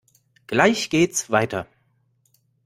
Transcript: Gleich geht's weiter!